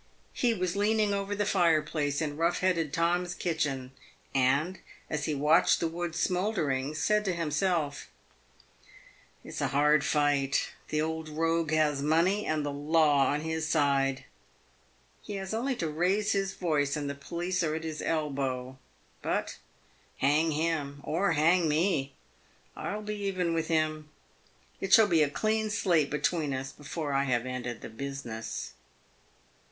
He was leaning over the fireplace in rough headed Tom's kitchen, and, as he watched the wood smouldering, said to himself, " It's a hard fight. The ,old rogue has money and the law on his side. He has only to raise his voice, and the police are at his elbow. But, hang him, or hang me, I'll be even with him. It shall be a clean slate between us before I have ended the business."